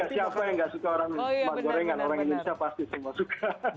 siapa yang nggak suka orang indonesia pasti semua suka